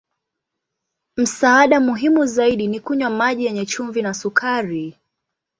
Msaada muhimu zaidi ni kunywa maji yenye chumvi na sukari.